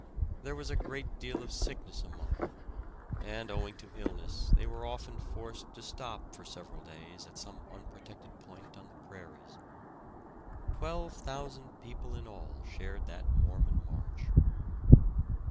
There was a great deal of sickness among them, and owing to illness they were often forced to stop for several days at some unprotected point on the prairies. Twelve thousand people in all shared that Mormon march.